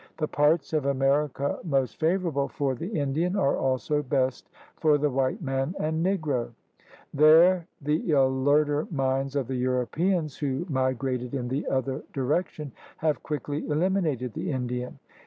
The parts of America most favorable for the Indian are also best for the white man and Negro. There the alerter minds of the Europeans who migrated in the other direction have quickly eliminated the Indian.